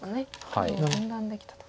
黒を分断できたと。